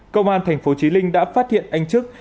công an tp chí linh đã phát hiện anh trức